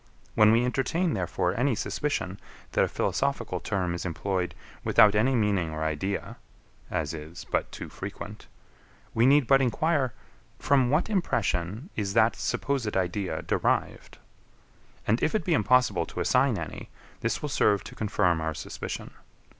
When we entertain, therefore, any suspicion that a philosophical term is employed without any meaning or idea (as is but too frequent), we need but enquire, from what impression is that supposed idea derived? And if it be impossible to assign any, this will serve to confirm our suspicion.